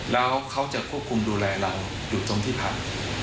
แล้วเขาจะควบคุมดูแลเราอยู่ตรงที่พัก